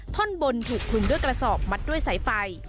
ท่อนบนถูกคลุมด้วยกระสอบมัดด้วยสายไฟ